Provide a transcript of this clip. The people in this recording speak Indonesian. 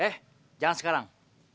eh jangan sekarang